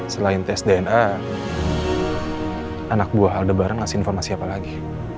selain tes dna anak buah alde bareng ngasih informasi apa lagi